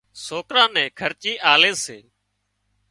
سوڪران نين خرچي آلي سي